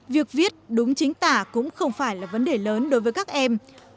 việc viết đúng chính tả cũng không phải là vấn đề lớn đối với các em